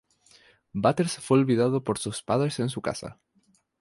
Butters fue olvidado por sus padres en su casa.